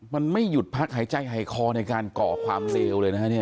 มันไม่หยุดพักหายใจหายคอในการก่อความเลวเลยนะฮะเนี่ย